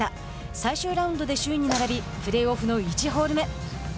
最終ラウンドで首位に並びプレーオフの１ホール目。